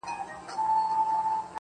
د سترگو اوښکي دي خوړلي گراني ؟